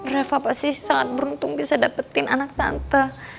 grava pasti sangat beruntung bisa dapetin anak tante